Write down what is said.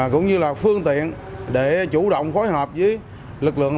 cũng như là phương tiện để chủ động phối hợp với lực lượng